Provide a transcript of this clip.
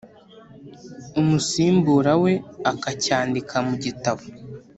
umusimbura we akacyandika mu gitabo